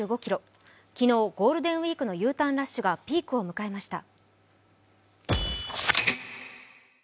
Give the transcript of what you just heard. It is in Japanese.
昨日、ゴールデンウイークのＵターンラッシュがピークを迎えました。